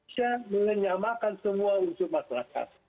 bisa menyamakan semua unsur masyarakat